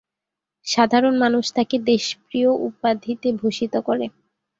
সাধারণ মানুষ তাকে দেশপ্রিয় উপাধিতে ভূষিত করে।